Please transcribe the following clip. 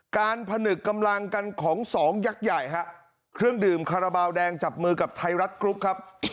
ผนึกกำลังกันของสองยักษ์ใหญ่ฮะเครื่องดื่มคาราบาลแดงจับมือกับไทยรัฐกรุ๊ปครับ